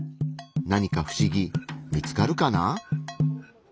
何かふしぎ見つかるかな？